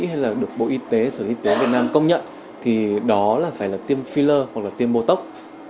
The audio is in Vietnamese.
hay là được bộ y tế sở y tế việt nam công nhận thì đó phải là tiêm filler hoặc là tiêm botox